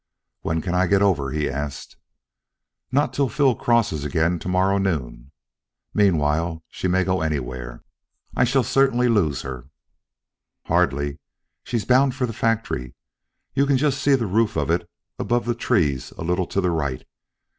"When can I get over?" he asked. "Not till Phil crosses again to morrow noon." "Meanwhile, she may go anywhere. I shall certainly lose her." "Hardly. She's bound for the factory; you can just see the roof of it above the trees a little to the right.